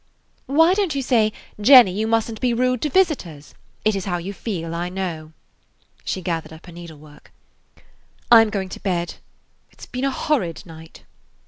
"Why don't you say, 'Jenny, you must n't be rude to visitors'? It is how you feel, I know." She gathered up her needlework. "I 'm going to bed. It 's been a horrid night."